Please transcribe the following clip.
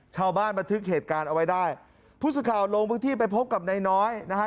ชาวบ้านประทึกเหตุการณ์เอาไว้ได้พุศุข่าวลงพกที่ไปพบกับน้ายน้อยนะฮะ